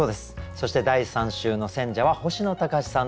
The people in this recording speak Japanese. そして第３週の選者は星野高士さんです。